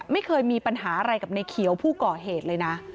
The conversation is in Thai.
ไม่เคยมีปัญหาอะไรกับในเขียวผู้ก่อเหตุเลยนะ